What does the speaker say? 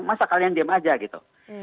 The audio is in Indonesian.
masa kalian diem aja gitu